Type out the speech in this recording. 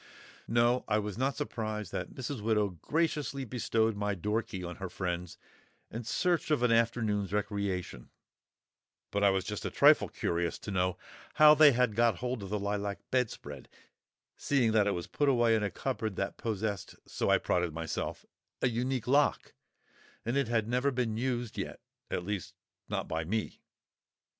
No, I was not surprised that Mrs. Widow graciously bestowed my door key on her friends in search of an afternoon's recreation; but I was just a trifle curious to know how they had got hold of the lilac bedspread, seeing that it was put away in a cupboard that possessed—so I prided myself—a unique lock; and it had never been used yet—at least, not by me!